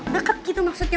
deket gitu maksudnya